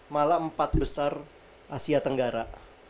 malah empat besar asia tenggara